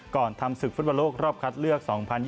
ก่อนทำศึกฟุตบอลโลกรอบคัดเลือก๒๐๒๐